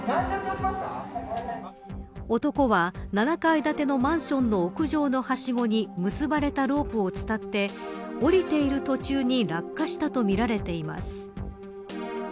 男は７階建てのマンションの屋上のはしごに結ばれたロープを伝って下りている途中に落下したとみられています。